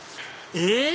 えっ⁉